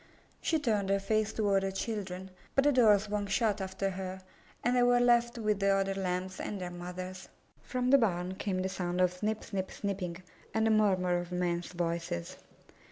She turned her face toward her children, but the door swung shut after her, and they were left with the other Lambs and their mothers. From the barn came the sound of snip snip snipping and the murmur of men's voices.